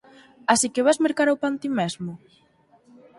Así que vés mercar o pan ti mesmo?